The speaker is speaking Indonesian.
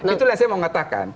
itulah yang saya mau katakan